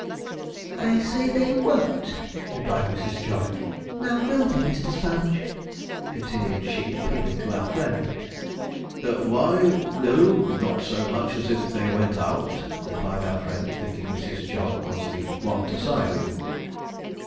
'I say they won't!' replied Mrs. Jog; 'now will they, Mr. Sponge?' continued she, appealing to our friend. 'Why, no, not so much as if they went out,' replied our friend, thinking Mrs. Jog was the one to side with.